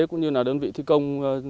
cũng như đơn vị thi công